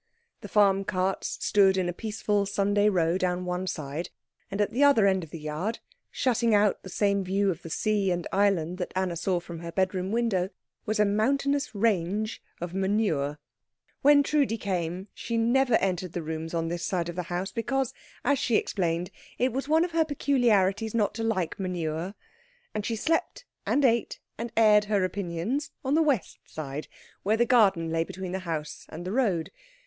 The farm carts stood in a peaceful Sunday row down one side, and at the other end of the yard, shutting out the same view of the sea and island that Anna saw from her bedroom window, was a mountainous range of manure. When Trudi came, she never entered the rooms on this side of the house, because, as she explained, it was one of her peculiarities not to like manure; and she slept and ate and aired her opinions on the west side, where the garden lay between the house and the road.